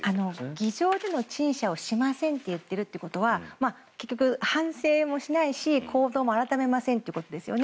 議場での陳謝をしませんと言っているということは結局、反省もしないし行動も改めませんということですよね。